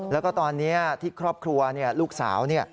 แล้วก็ตอนนี้ที่ครอบครัวลูกสาว